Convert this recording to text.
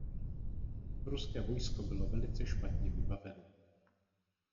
Ruské vojsko bylo velice špatně vybaveno.